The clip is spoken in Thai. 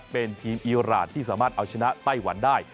เป็นทีมอีรานที่สามารถเอาชนะไต้หวันได้